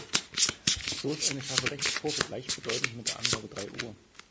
So ist eine scharfe Rechtskurve gleichbedeutend mit der Angabe „drei Uhr“.